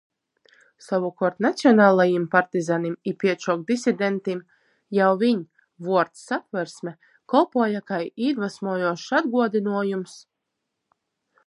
Sovukuort nacionalajim partizanim i piečuok disidentim jau viņ vuords "Satversme" kolpuoja kai īdvasmojūšs atguodynuojums,